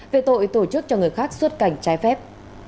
về tội tổ chức cho người khác xuất cảnh trái phép